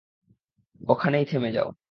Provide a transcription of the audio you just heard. ওখানেই থেমে যাও।